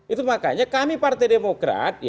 itu makanya kami partai demokrat